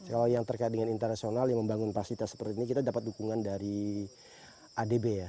kalau yang terkait dengan internasional yang membangun fasilitas seperti ini kita dapat dukungan dari adb ya